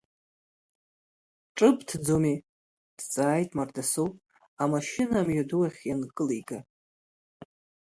Ҿыбҭӡомеи, дҵааит Мардасоу, амашьына амҩаду ахь ианкылига.